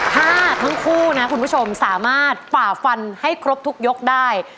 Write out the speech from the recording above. ถ้าทั้งคู่นะคุณผู้ชมสามารถฝ่าฟันให้ครบทุกยกได้